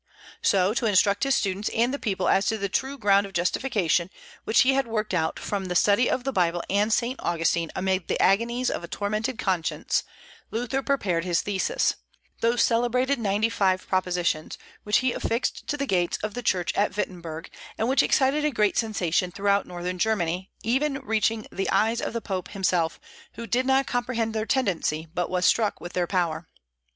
So, to instruct his students and the people as to the true ground of justification, which he had worked out from the study of the Bible and Saint Augustine amid the agonies of a tormented conscience, Luther prepared his theses, those celebrated ninety five propositions, which he affixed to the gates of the church of Wittenberg, and which excited a great sensation throughout Northern Germany, reaching even the eyes of the Pope himself, who did not comprehend their tendency, but was struck with their power.